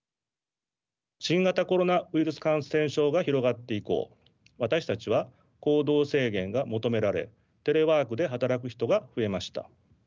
新型コロナウイルス感染症が広がって以降私たちは行動制限が求められテレワークで働く人が増えました。